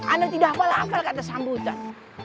anda tidak hafal hafal kata sambutan